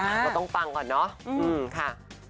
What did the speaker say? จะต้องฟังก่อนเนอะอืมค่ะ